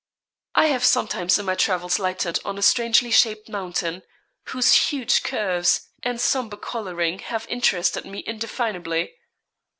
I have sometimes in my travels lighted on a strangely shaped mountain, whose huge curves, and sombre colouring have interested me indefinably.